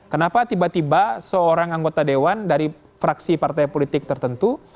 kenapa tiba tiba seorang anggota dewan dari fraksi partai politik tertentu